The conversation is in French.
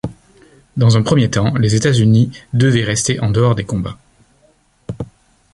Dans un premier temps, les États-Unis devaient rester en dehors des combats.